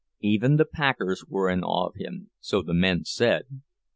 Even the packers were in awe of him, so the men said.